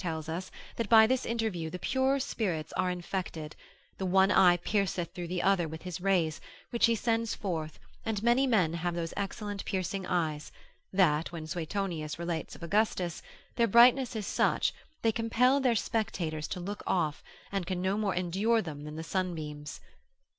telleth us, that by this interview, the purer spirits are infected, the one eye pierceth through the other with his rays, which he sends forth, and many men have those excellent piercing eyes, that, which Suetonius relates of Augustus, their brightness is such, they compel their spectators to look off, and can no more endure them than the sunbeams.